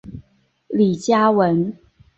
李嘉文。